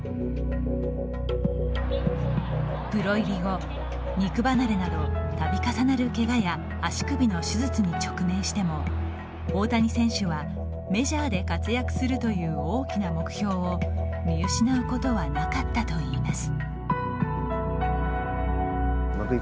プロ入り後肉離れなどたび重なるけがや足首の手術に直面しても大谷選手はメジャーで活躍するという大きな目標を見失うことはなかったといいます。